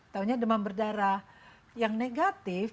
taunya demam berdarah yang negatif